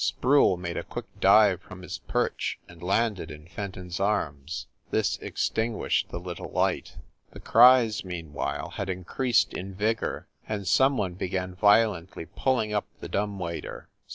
Sproule made a quick dive from his perch and landed in Fenton s arms. This extinguished the little light. The cries, meanwhile, had increased in vigor, and some one began violently pulling up the dumb waiter.